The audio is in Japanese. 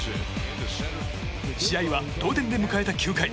試合は同点で迎えた９回。